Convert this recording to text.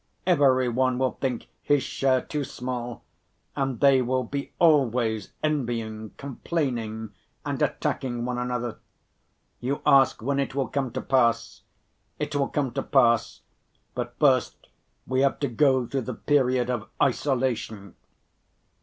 Every one will think his share too small and they will be always envying, complaining and attacking one another. You ask when it will come to pass; it will come to pass, but first we have to go through the period of isolation."